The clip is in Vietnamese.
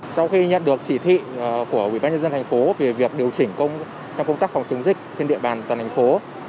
sau khi nhận được chỉ thị của bộ y tế về việc điều chỉnh công tác phòng chống dịch trên địa bàn toàn thành phố